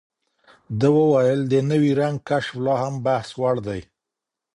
ده وویل، د نوي رنګ کشف لا هم بحثوړ دی.